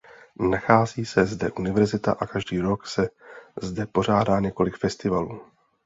Nachází se zde univerzita a každý rok se zde pořádá několik festivalů.